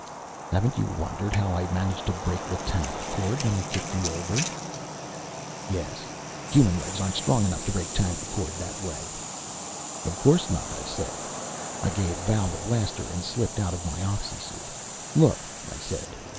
"Haven't you wondered how I managed to break the tangle cord when I kicked you over?" "Yes human legs aren't strong enough to break tangle cord that way." "Of course not," I said. I gave Val the blaster and slipped out of my oxysuit. "Look," I said.